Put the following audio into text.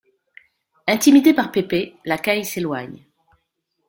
Intimidé par Pépé, la Caille s'éloigne.